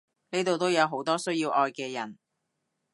呢度都有好多需要愛嘅人！